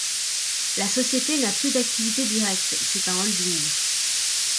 La société n'a plus d'activité directe, c'est un holding.